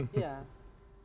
saya tidak melihat alasan